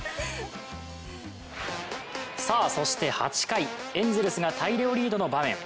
さあそして８回、エンゼルスが大量リードの場面。